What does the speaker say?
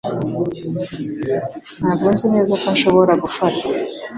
Ntabwo nzi neza ko nshobora gufata .